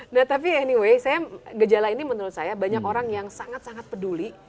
nah tapi anyway saya gejala ini menurut saya banyak orang yang sangat sangat peduli